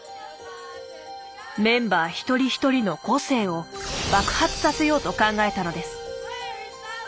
メンバー一人一人の個性を爆発させようと考えたのです。